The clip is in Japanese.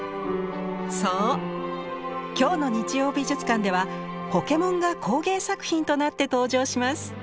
そう今日の「日曜美術館」ではポケモンが工芸作品となって登場します。